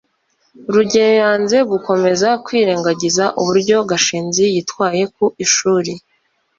rugeyo yanze gukomeza kwirengagiza uburyo gashinzi yitwaye ku ishuri